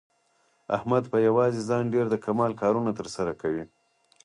احمد په یووازې ځان ډېر د کمال کارونه تر سره کوي.